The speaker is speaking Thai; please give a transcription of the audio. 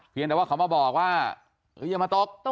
เพียงแต่ว่าเขามาบอกว่าอย่ามาตก